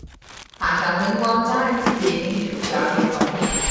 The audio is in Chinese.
塔上灯光将按季节与主题而变动。